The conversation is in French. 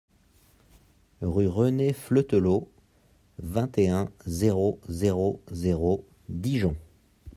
Rue René Fleutelot, vingt et un, zéro zéro zéro Dijon